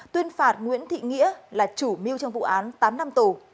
tuyên phạt nguyễn thị nghĩa là chủ mưu trong vụ án tám năm tù